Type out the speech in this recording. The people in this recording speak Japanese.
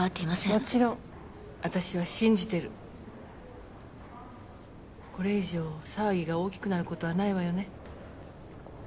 もちろん私は信じてるこれ以上騒ぎが大きくなることはないわよね？